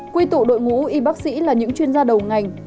quy tụ đội ngũ y bác sĩ là những chuyên gia đầu ngành